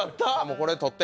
これ取って。